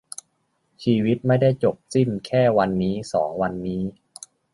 ชีวิตไม่ได้จบสิ้นแค่วันสองวันนี้